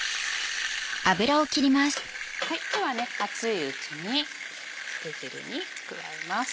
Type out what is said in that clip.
では熱いうちに漬け汁に加えます。